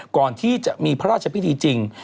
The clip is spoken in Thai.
ก่อนที่จะมีพระราชพิธีจริง